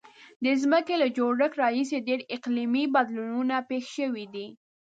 د ځمکې له جوړښت راهیسې ډیر اقلیمي بدلونونه پیښ شوي دي.